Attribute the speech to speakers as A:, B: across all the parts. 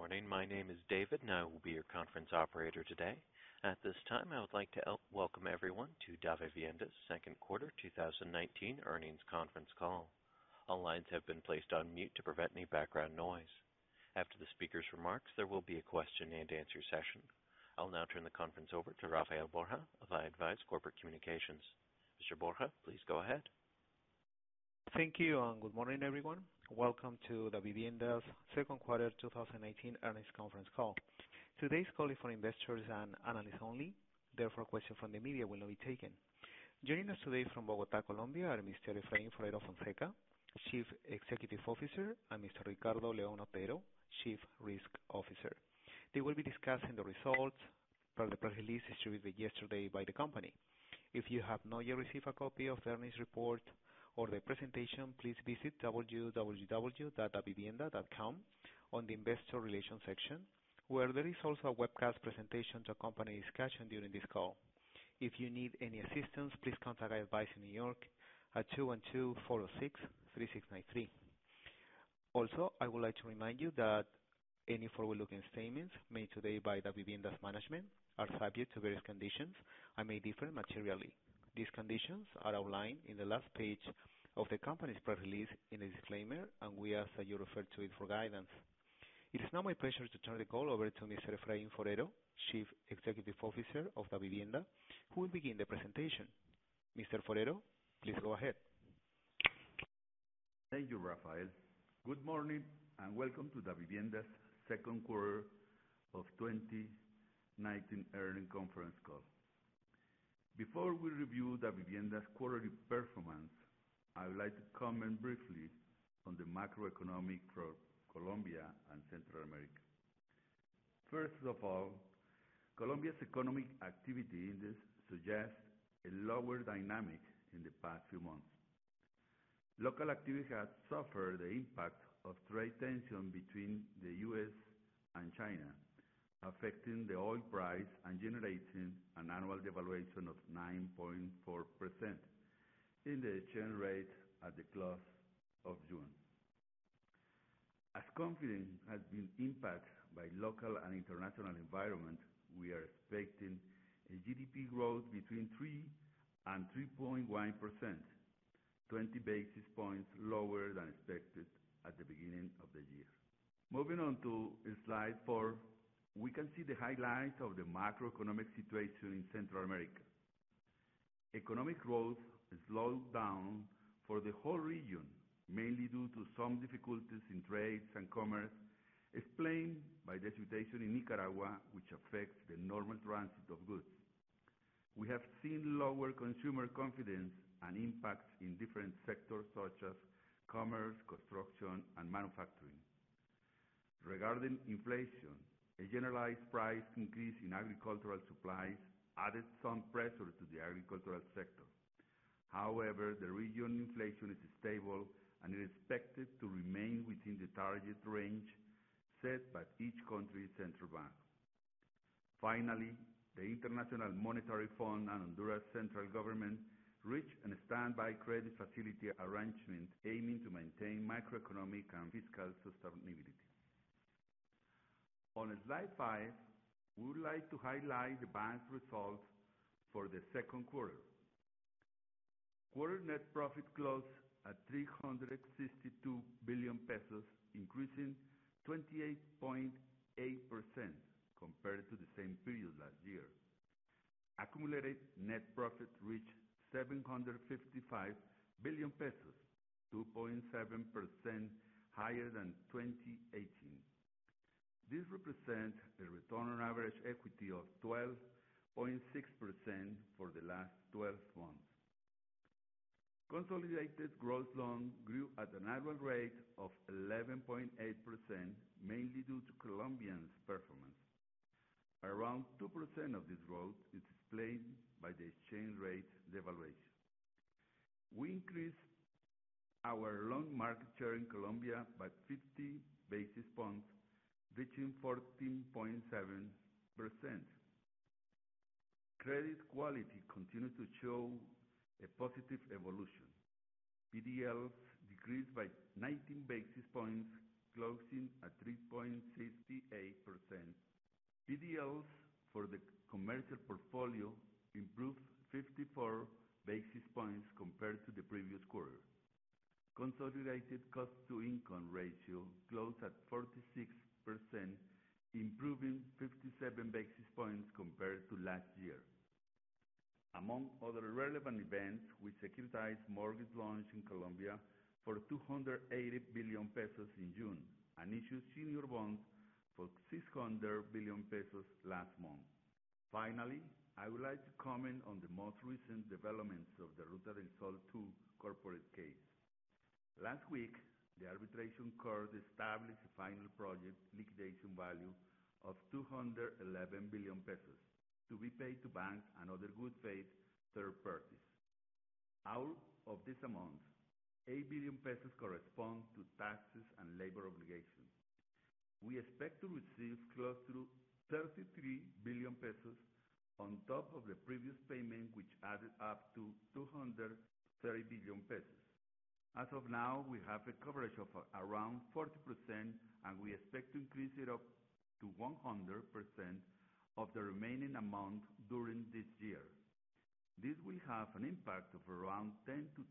A: Good morning. My name is David, and I will be your conference operator today. At this time, I would like to welcome everyone to Davivienda's second quarter 2019 earnings conference call. All lines have been placed on mute to prevent any background noise. After the speaker's remarks, there will be a question-and-answer session. I will now turn the conference over to Rafael Borja of i-advize Corporate Communications. Mr. Borja, please go ahead.
B: Thank you, and good morning, everyone. Welcome to Davivienda's second quarter 2019 earnings conference call. Today's call is for investors and analysts only, therefore, questions from the media will not be taken. Joining us today from Bogotá, Colombia are Mr. Efraín Forero Fonseca, Chief Executive Officer, and Mr. Ricardo León Otero, Chief Risk Officer. They will be discussing the results from the press release distributed yesterday by the company. If you have not yet received a copy of the earnings report or the presentation, please visit www.davivienda.com on the investor relations section, where there is also a webcast presentation to accompany discussion during this call. If you need any assistance, please contact i-advize in New York at 212-406-3693. Also, I would like to remind you that any forward-looking statements made today by Davivienda's management are subject to various conditions and may differ materially. These conditions are outlined on the last page of the company's press release in the disclaimer, and we ask that you refer to it for guidance. It is now my pleasure to turn the call over to Mr. Efraín Forero, Chief Executive Officer of Davivienda, who will begin the presentation. Mr. Forero, please go ahead.
C: Thank you, Rafael. Good morning and welcome to Davivienda's second quarter of 2019 earnings conference call. Before we review Davivienda's quarterly performance, I would like to comment briefly on the macroeconomic for Colombia and Central America. First of all, Colombia's economic activity indices suggest a lower dynamic in the past few months. Local activity has suffered the impact of trade tension between the U.S. and China, affecting the oil price and generating an annual devaluation of 9.4% in the exchange rate at the close of June. As confidence has been impacted by local and international environment, we are expecting a GDP growth between 3% and 3.1%, 20 basis points lower than expected at the beginning of the year. Moving on to Slide 4, we can see the highlight of the macroeconomic situation in Central America. Economic growth has slowed down for the whole region, mainly due to some difficulties in trades and commerce explained by the situation in Nicaragua, which affects the normal transit of goods. We have seen lower consumer confidence and impact in different sectors such as commerce, construction, and manufacturing. Regarding inflation, a generalized price increase in agricultural supplies added some pressure to the agricultural sector. However, the region inflation is stable and is expected to remain within the target range set by each country's central bank. Finally, the International Monetary Fund and Honduras central government reached a standby credit facility arrangement aiming to maintain macroeconomic and fiscal sustainability. On Slide five, we would like to highlight the bank's results for the second quarter. Quarter net profit closed at COP 362 billion, increasing 28.8% compared to the same period last year. Accumulated net profit reached COP 755 billion, 2.7% higher than 2018. This represents a return on average equity of 12.6% for the last 12 months. Consolidated growth loan grew at an annual rate of 11.8%, mainly due to Colombians' performance. Around 2% of this growth is explained by the exchange rate devaluation. We increased our loan market share in Colombia by 50 basis points, reaching 14.7%. Credit quality continued to show a positive evolution. PDLs decreased by 19 basis points, closing at 3.68%. PDLs for the commercial portfolio improved 54 basis points compared to the previous quarter. Consolidated cost-to-income ratio closed at 46%, improving 57 basis points compared to last year. Among other relevant events, we securitized mortgage loans in Colombia for COP 280 billion in June and issued senior bonds for COP 600 billion last month. Finally, I would like to comment on the most recent developments of the Ruta del Sol II corporate case. Last week, the arbitration court established a final project liquidation value of COP 211 billion to be paid to banks and other good faith third parties. Out of this amount, COP 8 billion correspond to taxes and labor obligations. We expect to receive close to COP 33 billion on top of the previous payment, which added up to COP 230 billion. As of now, we have a coverage of around 40%, and we expect to increase it up to 100% of the remaining amount during this year. This will have an impact of around 10-15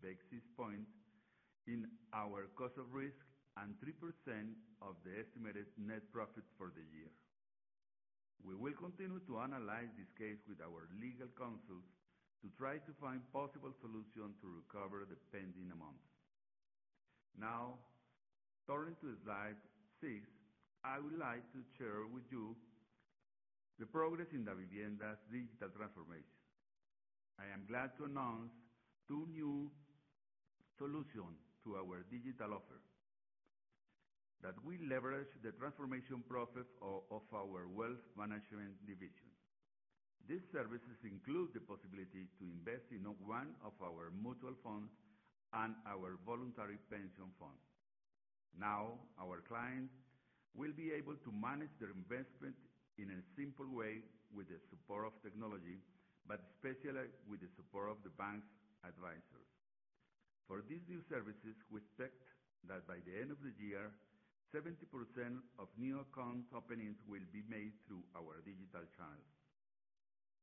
C: basis points in our cost of risk and 3% of the estimated net profit for the year. We will continue to analyze this case with our legal counsels to try to find possible solution to recover the pending amounts. Turning to slide six, I would like to share with you the progress in Davivienda's digital transformation. I am glad to announce two new solution to our digital offer that will leverage the transformation profit of our wealth management division. These services include the possibility to invest in one of our mutual funds and our voluntary pension fund. Our clients will be able to manage their investment in a simple way with the support of technology, but especially with the support of the bank's advisors. For these new services, we expect that by the end of the year, 70% of new account openings will be made through our digital channels.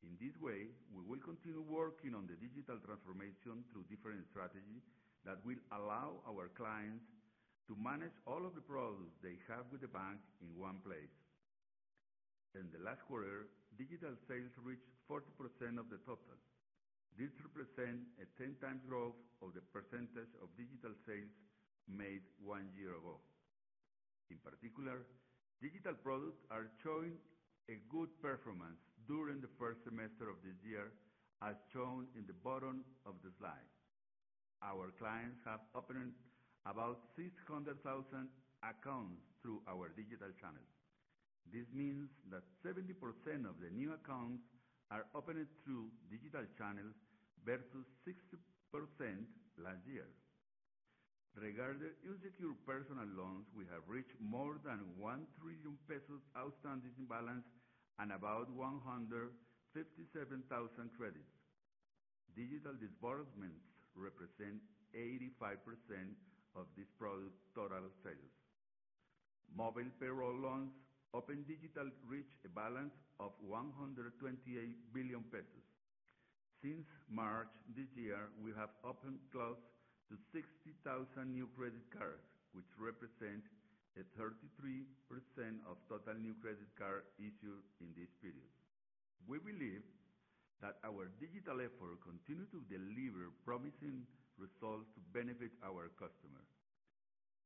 C: In this way, we will continue working on the digital transformation through different strategies that will allow our clients to manage all of the products they have with the bank in one place. In the last quarter, digital sales reached 40% of the total. This represent a 10 times growth of the percentage of digital sales made one year ago. In particular, digital products are showing a good performance during the first semester of this year, as shown in the bottom of the slide. Our clients have opened about 600,000 accounts through our digital channels. This means that 70% of the new accounts are opened through digital channels versus 60% last year. Regarding unsecured personal loans, we have reached more than COP 1 trillion outstanding balance and about 157,000 credits. Digital disbursements represent 85% of this product's total sales. Mobile payroll loans open digital reached a balance of COP 128 billion. Since March this year, we have opened close to 60,000 new credit cards, which represent a 33% of total new credit card issued in this period. We believe that our digital effort continue to deliver promising results to benefit our customers.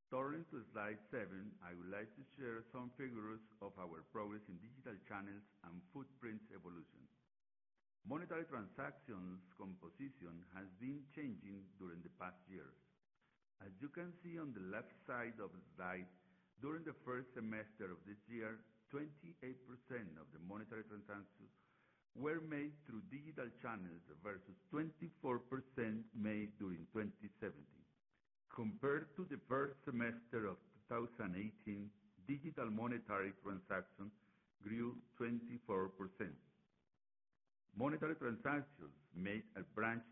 C: Turning to slide seven, I would like to share some figures of our progress in digital channels and footprints evolution. Monetary transactions composition has been changing during the past years. As you can see on the left side of the slide, during the first semester of this year, 28% of the monetary transactions were made through digital channels versus 24% made during 2017. Compared to the first semester of 2018, digital monetary transactions grew 24%. Monetary transactions made at branches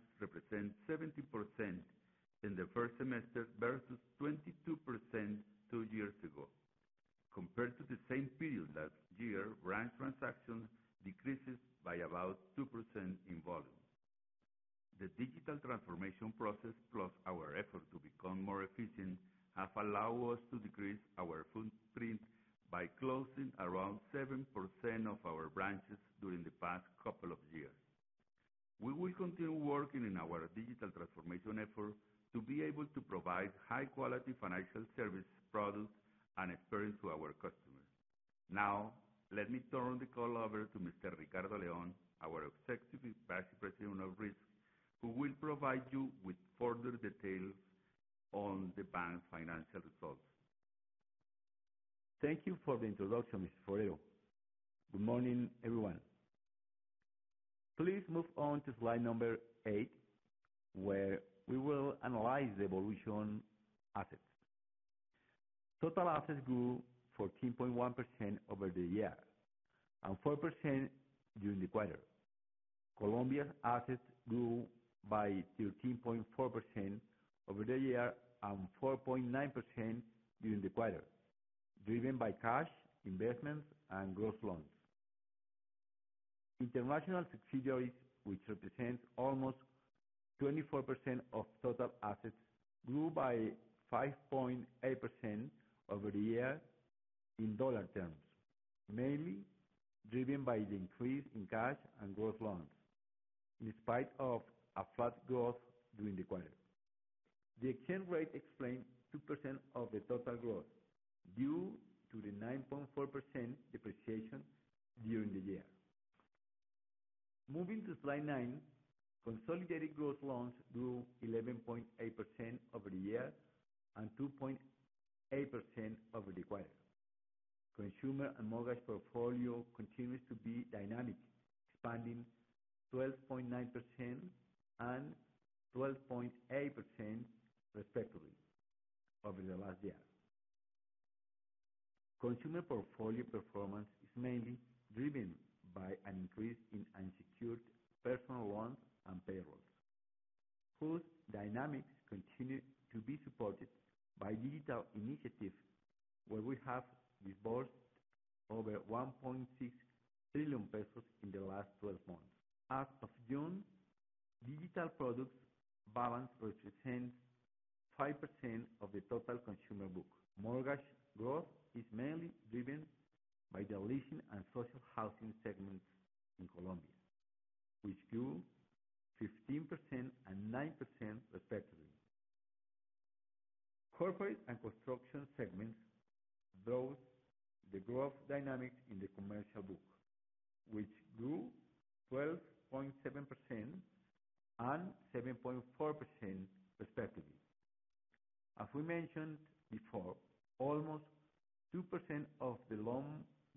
C: represent 17% in the first semester versus 22% two years ago. Compared to the same period last year, branch transactions decreases by about 2% in volume. The digital transformation process, plus our effort to become more efficient, have allowed us to decrease our footprint by closing around 7% of our branches during the past couple of years. We will continue working in our digital transformation effort to be able to provide high-quality financial service products and experience to our customers. Now, let me turn the call over to Mr. Ricardo León, our Executive Vice President of Risk, who will provide you with further details on the bank's financial results.
D: Thank you for the introduction, Mr. Forero. Good morning, everyone. Please move on to slide number eight, where we will analyze the evolution assets. Total assets grew 14.1% over the year and 4% during the quarter. Colombia's assets grew by 13.4% over the year and 4.9% during the quarter, driven by cash, investments, and gross loans. International subsidiaries, which represents almost 24% of total assets, grew by 5.8% over the year in dollar terms, mainly driven by the increase in cash and gross loans, in spite of a flat growth during the quarter. The exchange rate explained 2% of the total growth due to the 9.4% depreciation during the year. Moving to slide nine, consolidated gross loans grew 11.8% over the year and 2.8% over the quarter. Consumer and mortgage portfolio continues to be dynamic, expanding 12.9% and 12.8% respectively over the last year. Consumer portfolio performance is mainly driven by an increase in unsecured personal loans and payrolls, whose dynamics continue to be supported by digital initiatives, where we have disbursed over COP 1.6 trillion in the last 12 months. As of June, digital products balance represents 5% of the total consumer book. Mortgage growth is mainly driven by the leasing and social housing segments in Colombia, which grew 15% and 9% respectively. Corporate and construction segments drove the growth dynamics in the commercial book, which grew 12.7% and 7.4% respectively. As we mentioned before, almost 2% of the loan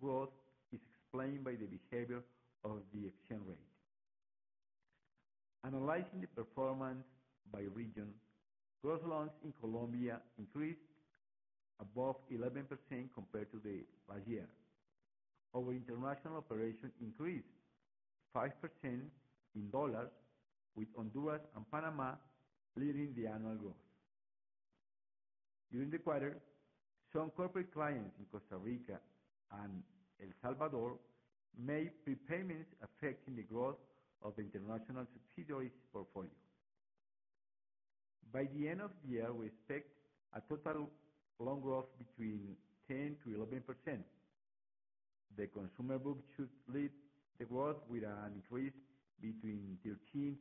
D: growth is explained by the behavior of the exchange rate. Analyzing the performance by region, gross loans in Colombia increased above 11% compared to the last year. Our international operations increased 5% in dollars, with Honduras and Panama leading the annual growth. During the quarter, some corporate clients in Costa Rica and El Salvador made prepayments, affecting the growth of the international subsidiaries portfolio. By the end of the year, we expect a total loan growth between 10%-11%. The consumer book should lead the growth with an increase between 13%-14%,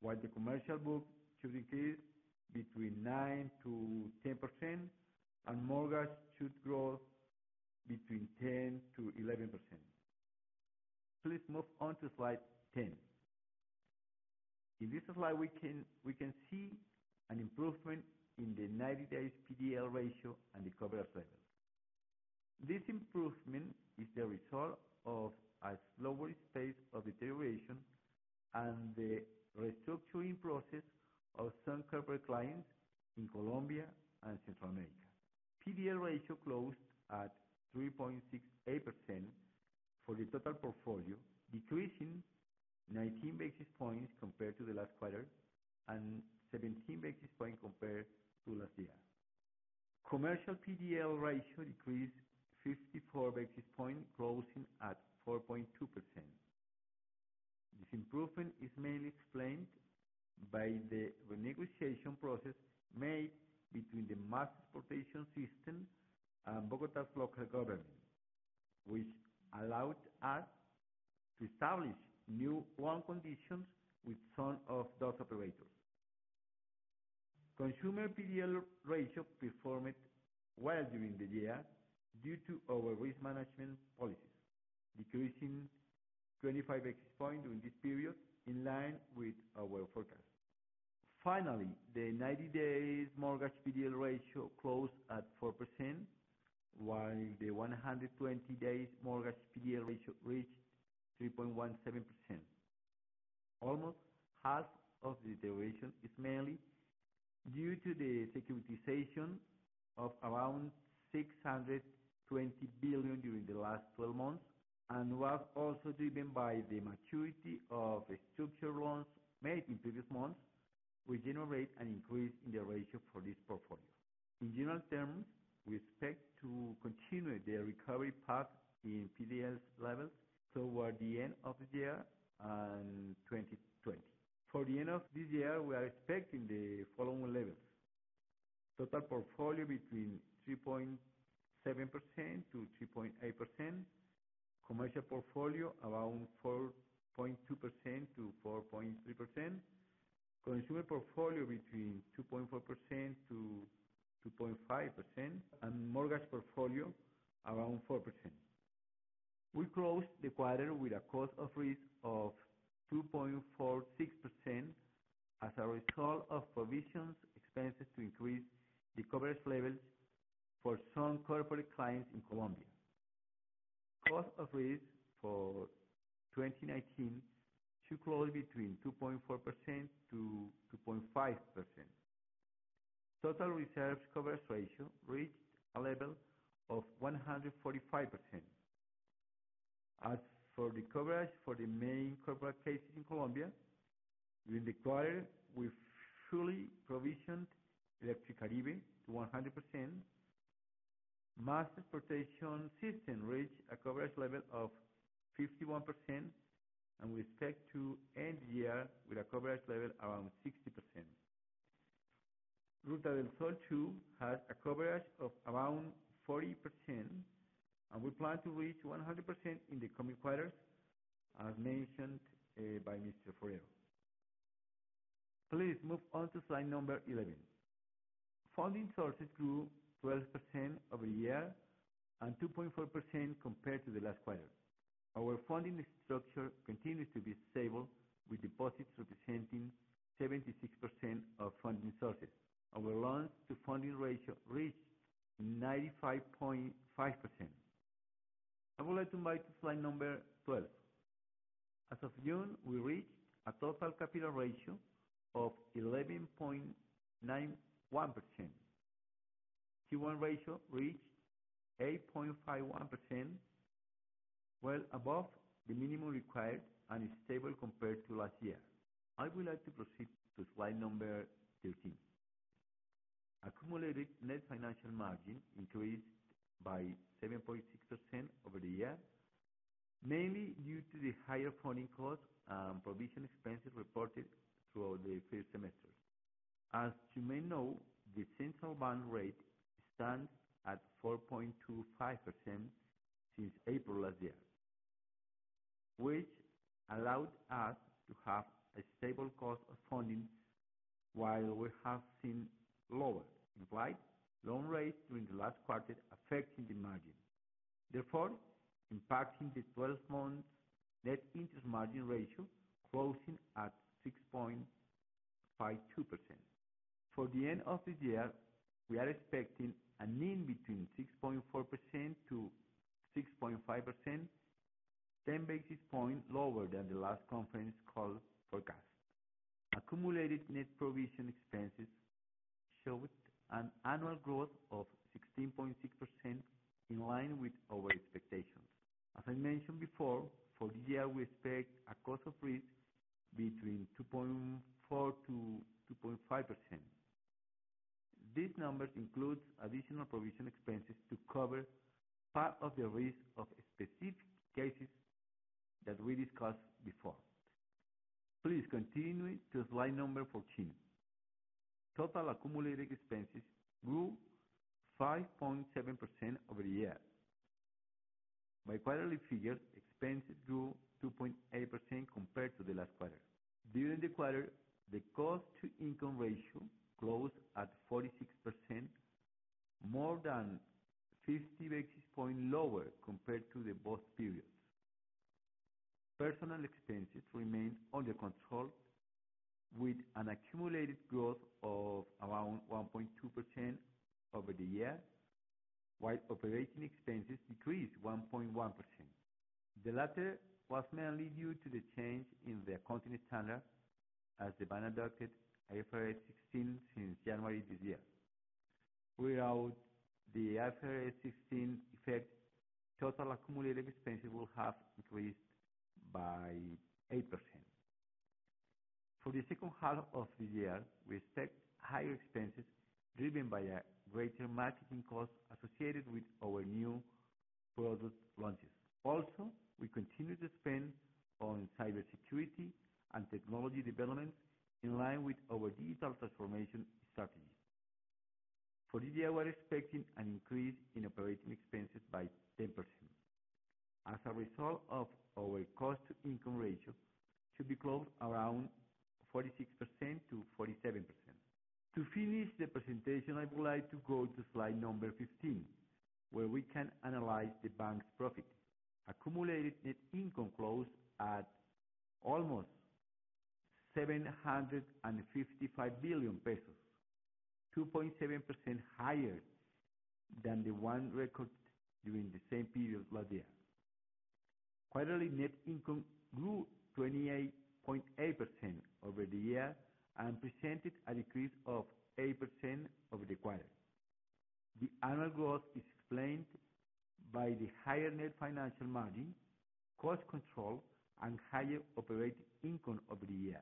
D: while the commercial book should increase between 9%-10%, and mortgage should grow between 10%-11%. Please move on to slide 10. In this slide, we can see an improvement in the 90-day PDL ratio and the coverage levels. This improvement is the result of a slower pace of deterioration and the restructuring process of some corporate clients in Colombia and Central America. PDL ratio closed at 3.68% for the total portfolio, decreasing 19 basis points compared to the last quarter and 17 basis points compared to last year. Commercial PDL ratio decreased 54 basis points, commercial portfolio around 4.2%-4.3%, consumer portfolio between 2.4%-2.5%, and mortgage portfolio around 4%. We closed the quarter with a cost of risk of 2.46% as a result of provisions expenses to increase the coverage levels for some corporate clients in Colombia. Cost of risk for 2019 should close between 2.4%-2.5%. Total reserves coverage ratio reached a level of 145%. As for the coverage for the main corporate cases in Colombia, during the quarter we fully provisioned Electricaribe to 100%. Mass transportation system reached a coverage level of 51%. We expect to end the year with a coverage level around 60%. Ruta del Sol II has a coverage of around 40%. We plan to reach 100% in the coming quarters as mentioned by Mr. Forero. Please move on to slide number 11. Funding sources grew 12% over the year and 2.4% compared to the last quarter. Our funding structure continues to be stable, with deposits representing 76% of funding sources. Our loans-to-funding ratio reached 95.5%. I would like to invite you to slide number 12. As of June, we reached a total capital ratio of 11.91%. Tier 1 ratio reached 8.51%, well above the minimum required. Is stable compared to last year. I would like to proceed to slide number 13. Accumulated net interest margin increased by 7.6% over the year, mainly due to the higher funding costs and provision expenses reported throughout the first semester. As you may know, the central bank rate stands at 4.25% since April last year, which allowed us to have a stable cost of funding while we have seen lower implied loan rates during the last quarter, affecting the margin. Therefore, impacting the 12 months net interest margin ratio closing at 6.52%. For the end of this year, we are expecting a mean between 6.4%-6.5%, 10 basis points lower than the last conference call forecast. Accumulated net provision expenses showed an annual growth of 16.6%, in line with our expectations. As I mentioned before, for this year, we expect a cost of risk between 2.4%-2.5%. These numbers include additional provision expenses to cover part of the risk of specific cases that we discussed before. Please continue to slide number 14. Total accumulated expenses grew 5.7% over the year. By quarterly figures, expenses grew 2.8% compared to the last quarter. During the quarter, the cost-to-income ratio closed at 46%, more than 50 basis points lower compared to the both periods. Personnel expenses remained under control with an accumulated growth of around 1.2% over the year, while operating expenses decreased 1.1%. The latter was mainly due to the change in the accounting standard as the bank adopted IFRS 16 since January this year. Without the IFRS 16 effect, total accumulated expenses will have increased by 8%. For the second half of the year, we expect higher expenses driven by a greater marketing cost associated with our new product launches. Also, we continue to spend on cybersecurity and technology development in line with our digital transformation strategy. For this year, we're expecting an increase in operating expenses by 10%. As a result of our cost-to-income ratio, it should be closed around 46%-47%. To finish the presentation, I would like to go to slide number 15, where we can analyze the bank's profit. Accumulated net income closed at almost COP 755 billion, 2.7% higher than the one recorded during the same period last year. Quarterly net income grew 28.8% over the year and presented a decrease of 8% over the quarter. The annual growth is explained by the higher net financial margin, cost control, and higher operating income over the year.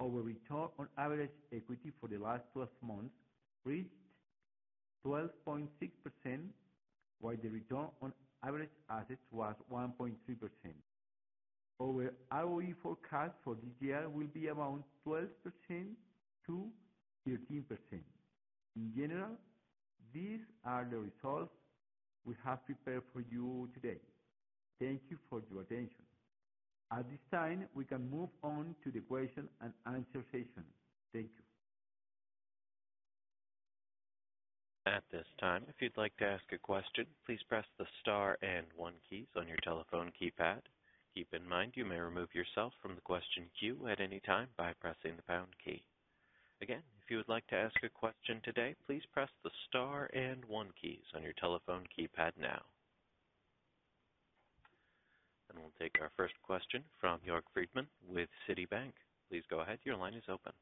D: Our return on average equity for the last 12 months reached 12.6%, while the return on average assets was 1.3%. Our ROE forecast for this year will be around 12%-13%. In general, these are the results we have prepared for you today. Thank you for your attention. At this time, we can move on to the question and answer session. Thank you.
A: At this time, if you'd like to ask a question, please press the star and one keys on your telephone keypad. Keep in mind, you may remove yourself from the question queue at any time by pressing the pound key. Again, if you would like to ask a question today, please press the star and one keys on your telephone keypad now. We'll take our first question from Yorick Friedman with Citi. Please go ahead. Your line is open.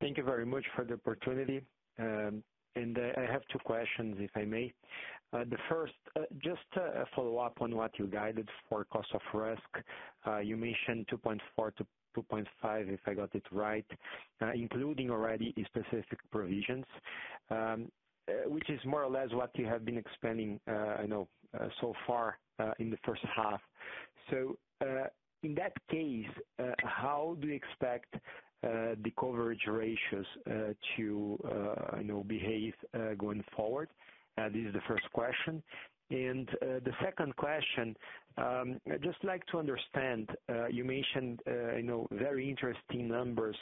E: Thank you very much for the opportunity. I have two questions, if I may. The first, just a follow-up on what you guided for cost of risk. You mentioned 2.4%-2.5%, if I got it right, including already the specific provisions, which is more or less what you have been expanding, I know, so far in the first half. In that case, how do you expect the coverage ratios to behave going forward? This is the first question. The second question, I'd just like to understand. You mentioned very interesting numbers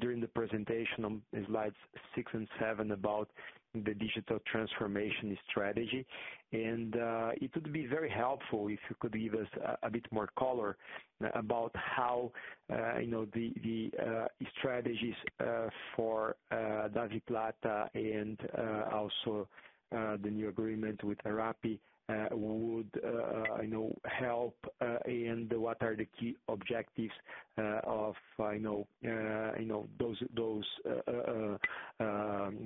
E: during the presentation on slides six and seven about the digital transformation strategy. It would be very helpful if you could give us a bit more color about how the strategies for DaviPlata and also the new agreement with Rappi would help and what are the key objectives of those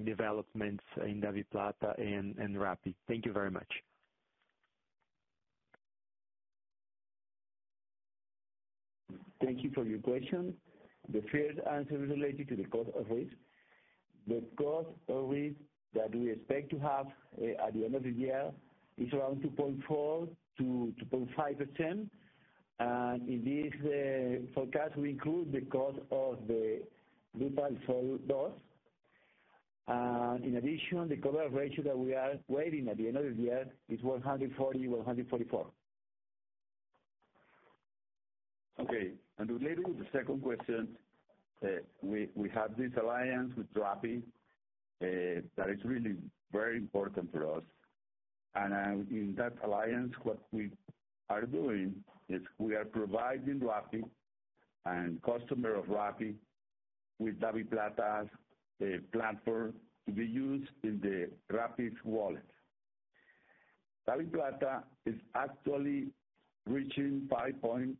E: developments in DaviPlata and Rappi. Thank you very much.
D: Thank you for your question. The first answer is related to the cost of risk. The cost of risk that we expect to have at the end of the year is around 2.4%-2.5%. In this forecast, in addition, the coverage ratio that we are waiting at the end of the year is 140, 144.
C: Okay. Related to the second question, we have this alliance with Rappi, that is really very important for us. In that alliance, what we are doing is we are providing Rappi and customer of Rappi with DaviPlata's platform to be used in the Rappi wallet. DaviPlata is actually reaching 5.5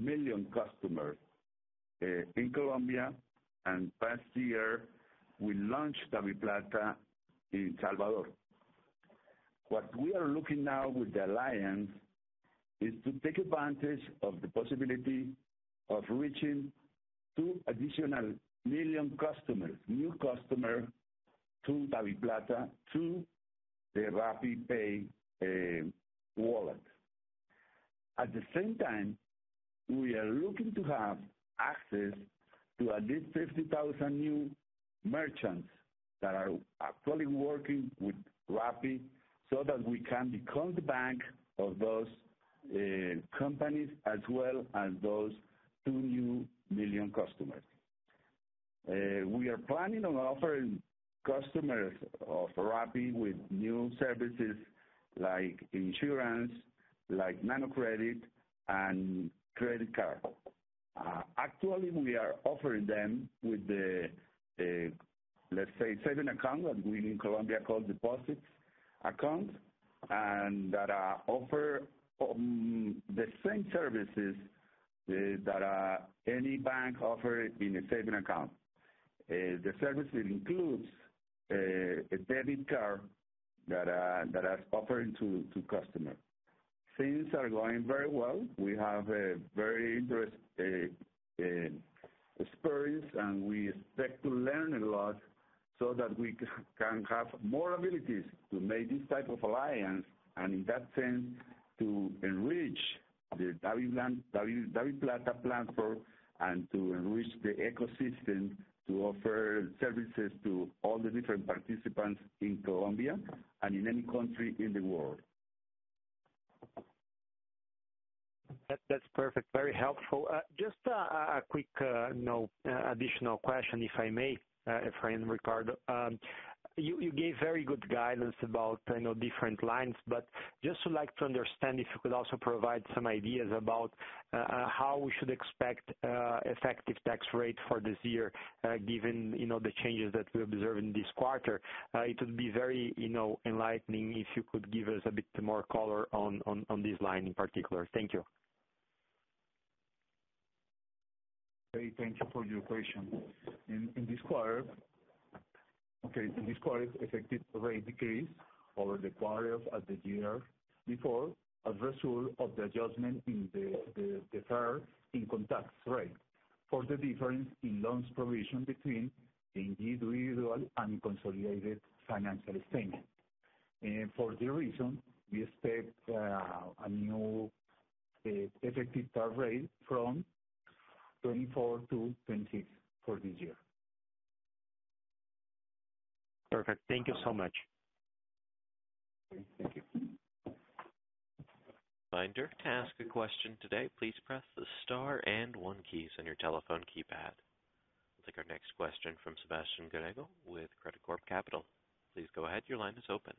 C: million customers in Colombia, and past year, we launched DaviPlata in El Salvador. What we are looking now with the alliance is to take advantage of the possibility of reaching two additional million customers, new customer, to DaviPlata, to the RappiPay wallet. At the same time, we are looking to have access to at least 50,000 new merchants that are actually working with Rappi, so that we can become the bank of those companies as well as those two new million customers. We are planning on offering customers of Rappi with new services like insurance, like nano credit, and credit card. Actually, we are offering them with the, let's say, saving account, what we in Colombia call deposits accounts, and that offer the same services that any bank offer in a saving account. The services includes a debit card that is offered to customers. Things are going very well. We have a very interesting experience, and we expect to learn a lot so that we can have more abilities to make this type of alliance, and in that sense, to enrich the DaviPlata platform and to enrich the ecosystem to offer services to all the different participants in Colombia and in any country in the world.
E: That's perfect. Very helpful. Just a quick additional question, if I may, Efraín, Ricardo. You gave very good guidance about different lines. Just would like to understand if you could also provide some ideas about how we should expect effective tax rate for this year, given the changes that we observed in this quarter. It would be very enlightening if you could give us a bit more color on this line in particular. Thank you.
D: Okay, thank you for your question. In this quarter, effective rate decreased over the quarter at the year before as a result of the adjustment in the defer in contact rate for the difference in loans provision between the individual and consolidated financial statement. For this reason, we expect a new effective tax rate from 24%-26% for this year.
E: Perfect. Thank you so much.
D: Okay. Thank you.
A: Reminder: To ask a question today, please press the star and one keys on your telephone keypad. I'll take our next question from Sebastian Gallego with Credicorp Capital. Please go ahead, your line is open.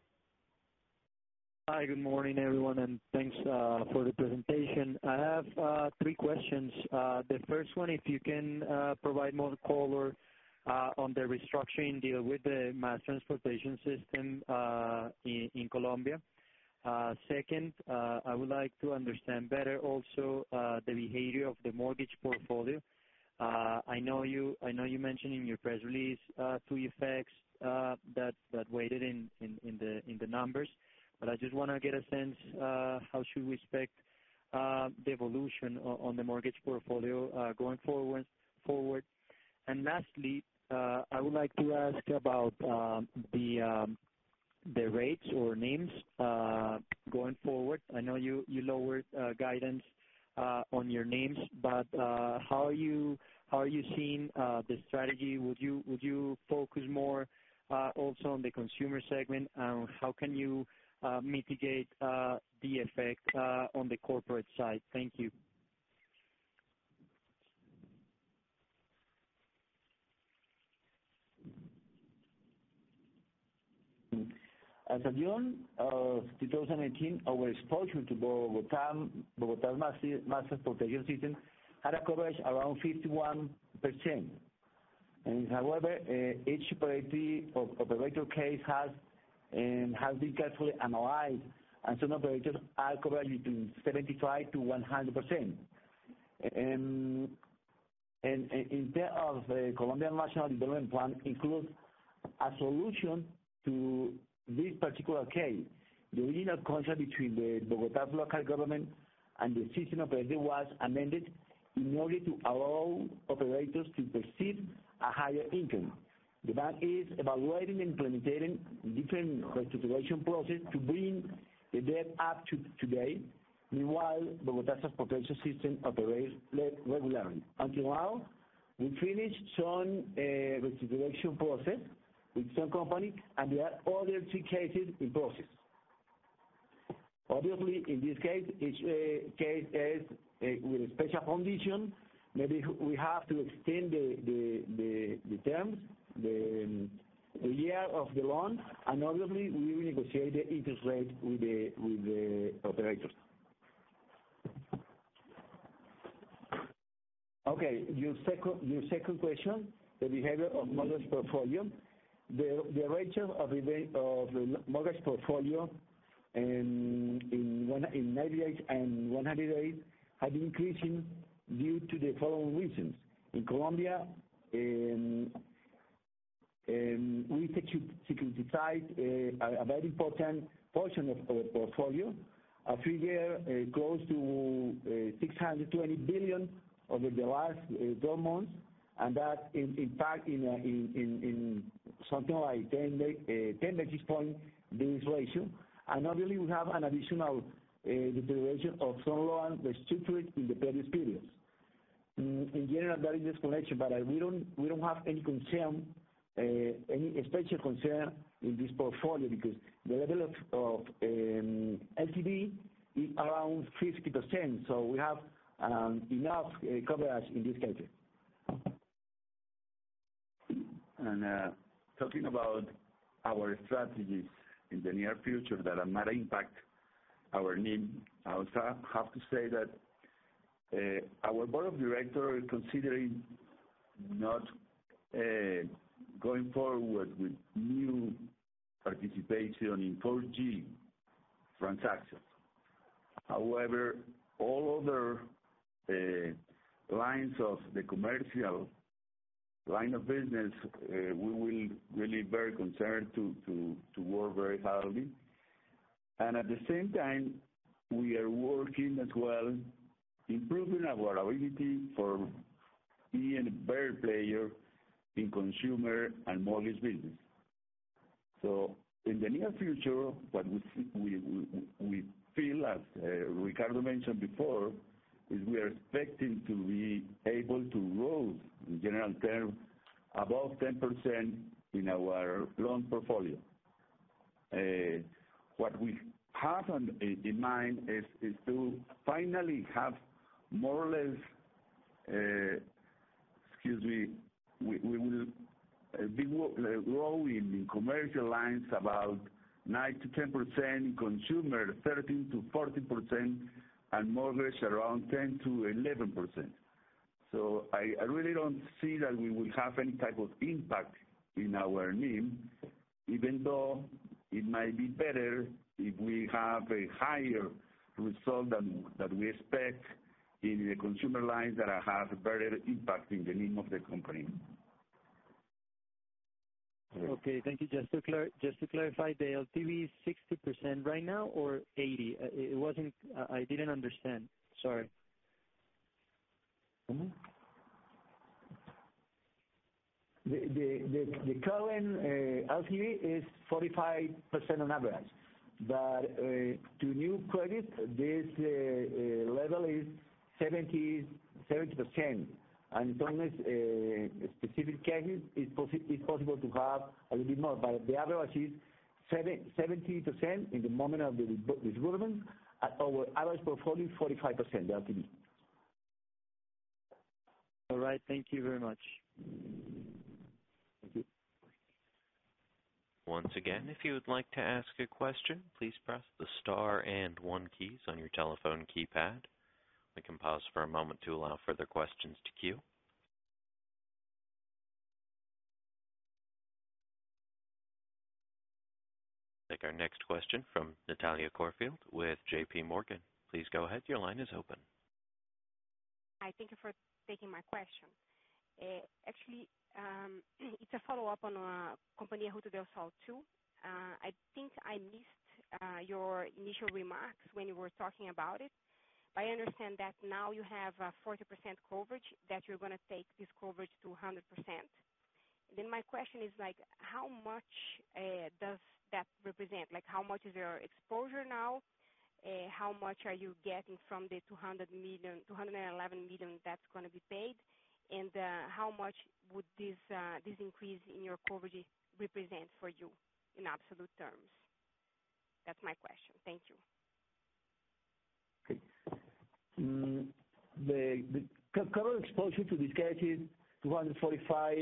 F: Hi, good morning, everyone, and thanks for the presentation. I have three questions. The first one, if you can provide more color on the restructuring deal with the mass transportation system in Colombia. Second, I would like to understand better also the behavior of the mortgage portfolio. I know you mentioned in your press release two effects that weighted in the numbers. I just want to get a sense how should we expect the evolution on the mortgage portfolio going forward. Lastly, I would like to ask about the rates or NIMs going forward. I know you lowered guidance on your NIMs. How are you seeing the strategy? Would you focus more also on the consumer segment? How can you mitigate the effect on the corporate side? Thank you.
D: As of June of 2018, our exposure to Bogotá mass transportation system had a coverage around 51%. However, each operator case has been carefully analyzed, and some operators are covered between 75%-100%. In terms of the Colombian National Development Plan includes a solution to this particular case. The original contract between the Bogotá's local government and the system operator was amended in order to allow operators to perceive a higher income. The bank is evaluating implementing different reconciliation process to bring the debt up to today. Meanwhile, Bogotá's potential system operates regularly. Until now, we finished some reconciliation process with some company, and there are other two cases in process. Obviously, in this case, each case has with a special condition, maybe we have to extend the terms, the year of the loan, and obviously, we will negotiate the interest rate with the operators. Okay, your second question, the behavior of mortgage portfolio. The ratio of the mortgage portfolio in 98 and 108 had been increasing due to the following reasons. In Colombia, we securitized a very important portion of our portfolio, a figure close to COP 620 billion over the last 12 months, and that in fact in something like 10 basis points this ratio. Obviously we have an additional deterioration of some loans restructured in the previous periods. In general, that is the situation, but we don't have any concern, any special concern in this portfolio because the level of LTV is around 50%, so we have enough coverage in this case.
C: Talking about our strategies in the near future that are might impact our NIM. I would have to say that our board of directors considering not going forward with new participation in 4G transactions. All other lines of the commercial line of business, we will really very concerned to work very hard. At the same time, we are working as well, improving our ability for being a better player in consumer and mortgage business. In the near future, what we feel as Ricardo mentioned before, is we are expecting to be able to grow in general terms above 10% in our loan portfolio. What we have in mind is to finally have more or less, excuse me, we will be growing in commercial lines about 9%-10%, consumer 13%-14%, and mortgage around 10%-11%. I really don't see that we will have any type of impact in our NIM, even though it might be better if we have a higher result than we expect in the consumer lines that have better impact in the NIM of the company.
F: Okay, thank you. Just to clarify, the LTV is 60% right now or 80? I didn't understand. Sorry.
D: The current LTV is 45% on average. To new credits, this level is 70%. In some specific cases, it's possible to have a little bit more, but the average is 70% in the moment of the disbursement. Our average portfolio 45% LTV.
F: All right. Thank you very much.
D: Thank you.
A: Once again, if you would like to ask a question, please press the star and one keys on your telephone keypad. We can pause for a moment to allow further questions to queue. Take our next question from Natalia Corfield with J.P. Morgan. Please go ahead. Your line is open.
G: Hi, thank you for taking my question. Actually, it's a follow-up on compañía Ruta del Sol II. I think I missed your initial remarks when you were talking about it, but I understand that now you have a 40% coverage, that you're gonna take this coverage to 100%. My question is, how much does that represent? How much is your exposure now? How much are you getting from the COP 211 million that's gonna be paid? How much would this increase in your coverage represent for you in absolute terms? That's my question. Thank you.
D: Okay. The current exposure to this case is COP 245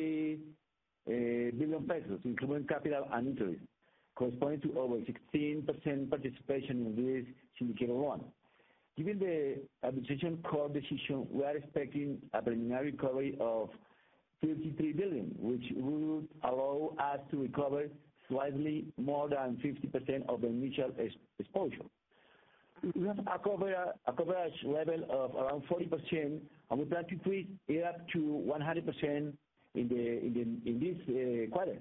D: billion, including capital and interest, corresponding to over 16% participation in this syndicated loan. Given the arbitration court decision, we are expecting a preliminary recovery of
C: COP 53 billion, which would allow us to recover slightly more than 50% of the initial exposure. We have a coverage level of around 40%. We plan to create it up to 100% in this quarter.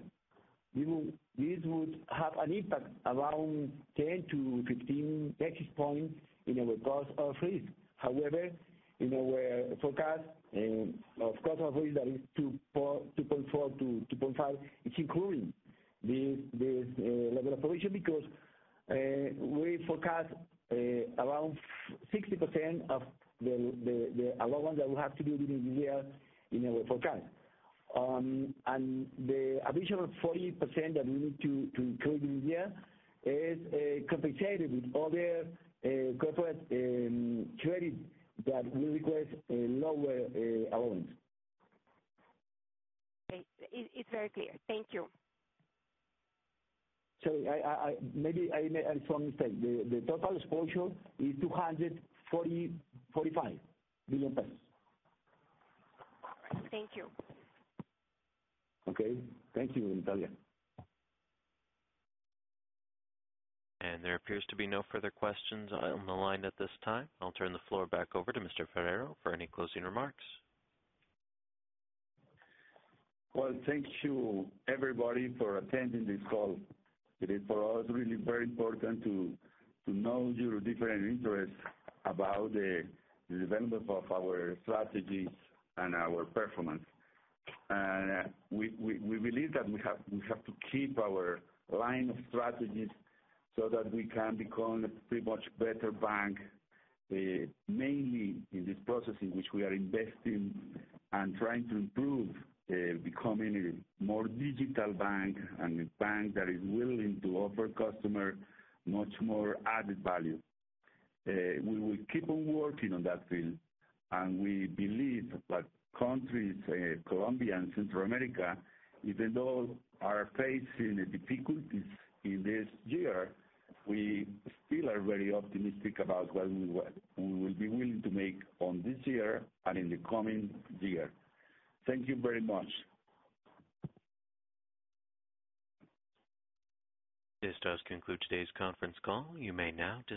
C: This would have an impact around 10-15 basis points in our cost of risk. In our forecast, and of course, our risk that is 2.4%-2.5%, it is including this level of provision because we forecast around 60% of the allowance that we have to do during the year in our forecast. The additional 40% that we need to include in here is compensated with other corporate credit that will request a lower allowance.
G: Okay. It's very clear. Thank you.
C: Sorry, maybe I made some mistake. The total exposure is COP 245 billion.
G: Thank you.
C: Okay. Thank you, Natalia.
A: There appears to be no further questions on the line at this time. I'll turn the floor back over to Mr. Forero for any closing remarks.
C: Well, thank you everybody for attending this call. It is for us really very important to know your different interests about the development of our strategies and our performance. We believe that we have to keep our line of strategies so that we can become a pretty much better bank. Mainly in this process in which we are investing and trying to improve becoming a more digital bank and a bank that is willing to offer customer much more added value. We will keep on working on that field. We believe that countries Colombia and Central America, even though are facing difficulties in this year, we still are very optimistic about what we will be willing to make on this year and in the coming year. Thank you very much.
A: This does conclude today's conference call. You may now disconnect.